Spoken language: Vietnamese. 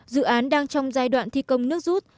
dự án đang trong giai đoạn thi công nước rút